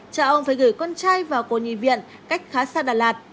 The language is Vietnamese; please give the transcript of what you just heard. cha ông phải gửi con trai vào cô nhi viện cách khá xa đà lạt